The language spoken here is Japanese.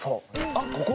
あっここ？